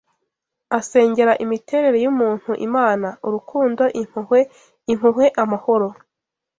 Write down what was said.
Asengera imiterere yumuntu imana: Urukundo, Impuhwe, Impuhwe, Amahoro